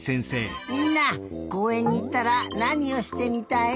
みんなこうえんにいったらなにをしてみたい？